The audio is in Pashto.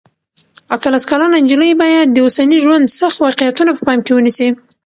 اتلس کلنه نجلۍ باید د اوسني ژوند سخت واقعیتونه په پام کې ونیسي.